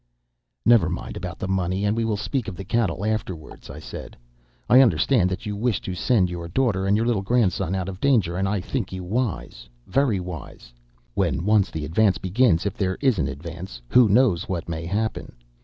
"'Never mind about the money, and we will speak of the cattle afterwards,' I said. 'I understand that you wish to send your daughter and your little grandson out of danger; and I think you wise, very wise. When once the advance begins, if there is an advance, who knows what may happen?